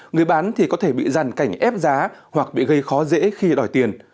người bán thì có thể bị giàn cảnh ép giá hoặc bị gây khó dễ khi đòi tiền